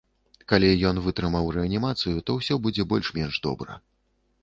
Калі ён вытрымаў рэанімацыю, то ўсё будзе больш-менш добра.